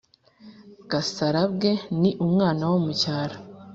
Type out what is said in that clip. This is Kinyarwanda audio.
gasarabwe ni umwana wo mu cyaro.